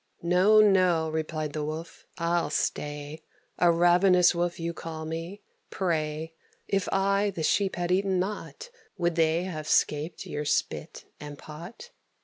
"No, no," replied the Wolf; "I'll stay: A ravenous wolf you call me. Pray, If I the sheep had eaten not, Would they have 'scaped your spit and pot?